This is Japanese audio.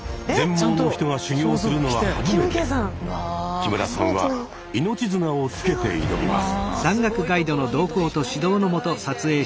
木村さんは命綱をつけて挑みます。